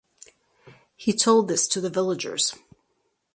He told this to the villagers.